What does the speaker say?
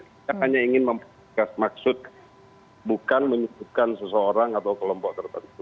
kita hanya ingin memperkas maksud bukan menyuguhkan seseorang atau kelompok tertentu